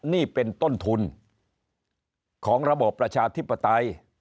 นี่เป็นต้นทุนของระบบประชาธิปไตย